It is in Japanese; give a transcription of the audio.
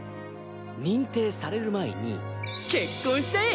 認定される前に結婚しちゃえ！